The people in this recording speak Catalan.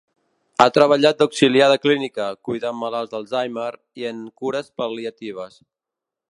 Ha treballat d'auxiliar de clínica, cuidant malalts d'Alzheimer, i en cures pal·liatives.